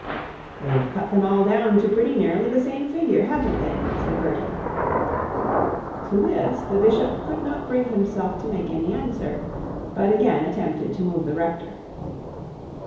'They've cut them all down to pretty nearly the same figure, haven't they?' said Bertie. To this the bishop could not bring himself to make any answer, but again tried to move the rector.